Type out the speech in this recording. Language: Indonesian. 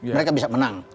mereka bisa menang